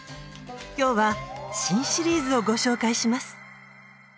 今日は新シリーズをご紹介します。